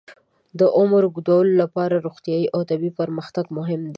د عمر د اوږدولو لپاره روغتیايي او طبي پرمختګ مهم دی.